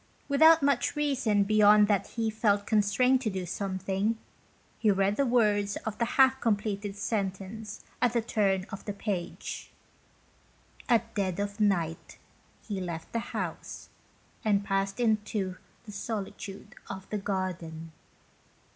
Without much reason beyond that he felt constrained to do something, he read the words 26 BOWE TO HIS BONE. of the half completed sentence at the turn of the page — "at dead of night he left the house and passed into the solitude of the garden."